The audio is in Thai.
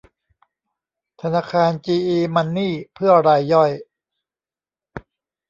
ธนาคารจีอี มันนี่ เพื่อรายย่อย